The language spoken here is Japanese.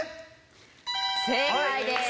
正解です。